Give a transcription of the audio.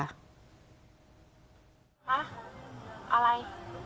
อะไร